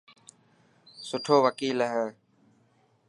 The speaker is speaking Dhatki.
سٺو وڪيل هي.